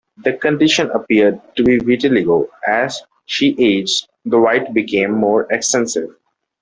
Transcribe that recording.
The condition appeared to be vitiligo; as she aged, the white became more extensive.